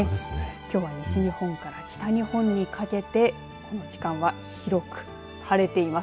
きょうは西日本から北日本にかけてこの時間は広く晴れています。